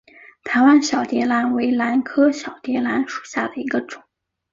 台湾小蝶兰为兰科小蝶兰属下的一个种。